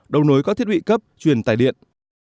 đấu nối các thiết bị cấp truyền tài điện